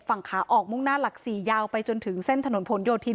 ฝั่งขาออกมุ่งหน้าหลัก๔ยาวไปจนถึงเส้นถนนผลโยธิน